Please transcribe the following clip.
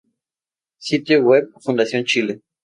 Sitio Web Fundación Chile